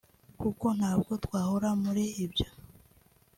kuko ntabwo twahora muri ibyo”